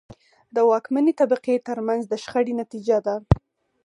د واکمنې طبقې ترمنځ د شخړې نتیجه ده.